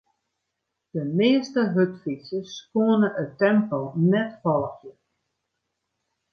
De measte hurdfytsers koene it tempo net folgje.